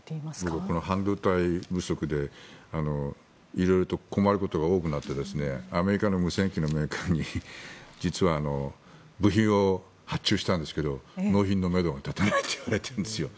僕はこの半導体不足で色々と困ることが多くなってアメリカの無線機のメーカーに実は部品を発注したんですけど納品のめどが立たないって言われているんですよ。